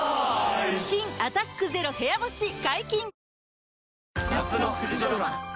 新「アタックＺＥＲＯ部屋干し」解禁‼